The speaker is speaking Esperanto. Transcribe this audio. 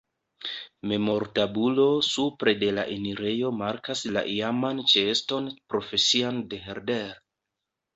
Memortabulo supre de la enirejo markas la iaman ĉeeston profesian de Herder.